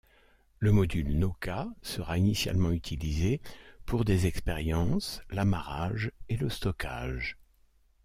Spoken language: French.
Le module Nauka sera initialement utilisé pour des expériences, l'amarrage et le stockage.